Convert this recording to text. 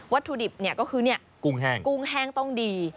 ถุดิบก็คือกุ้งแห้งต้องดี